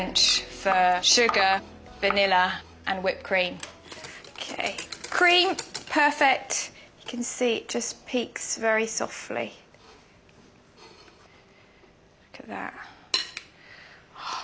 さあ。